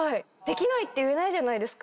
できないって言えないじゃないですか。